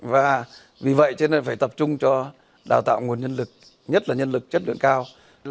và vì vậy cho nên phải tập trung cho đào tạo nguồn nhân lực nhất là nhân lực chất lượng cao